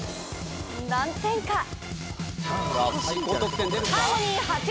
何点か？